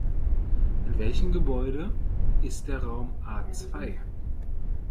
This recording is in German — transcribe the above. In welchem Gebäude ist der Raum A zwei?